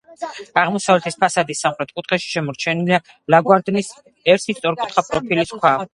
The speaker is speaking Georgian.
აღმოსავლეთის ფასადის სამხრეთ კუთხეში შემორჩენილია ლავგარდნის ერთი სწორკუთხა პროფილის ქვა.